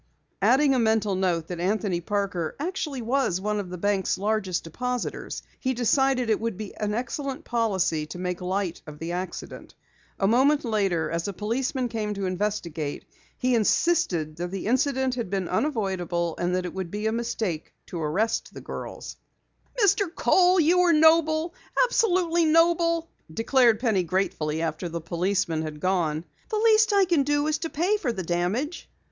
Adding a mental note that Anthony Parker actually was one of the bank's largest depositors, he decided it would be excellent policy to make light of the accident. A moment later as a policeman came to investigate, he insisted that the incident had been unavoidable and that it would be a mistake to arrest the girls. "Mr. Kohl, you were noble, absolutely noble," declared Penny gratefully after the policeman had gone. "The least I can do is to pay for the damage."